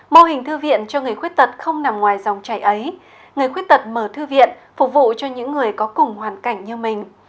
mô hình thư viện cho người khuyết tật không nằm ngoài dòng chảy ấy người khuyết tật mở thư viện phục vụ cho những người có cùng hoàn cảnh như mình